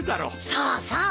そうそう。